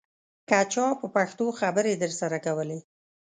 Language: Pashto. که چا په پښتو خبرې درسره کولې.